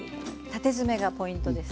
縦詰めがポイントです。